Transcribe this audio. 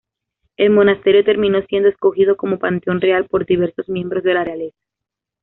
El monasterio terminó siendo escogido como panteón real por diversos miembros de la realeza.